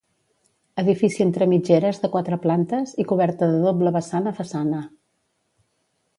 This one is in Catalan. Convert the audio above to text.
Edifici entre mitgeres de quatre plantes i coberta de doble vessant a façana.